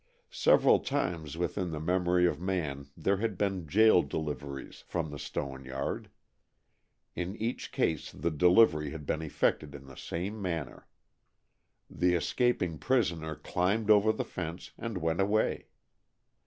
Several times within the memory of man there had been "jail deliveries" from the stone yard. In each case the delivery had been effected in the same manner. The escaping prisoner climbed over the fence and went away.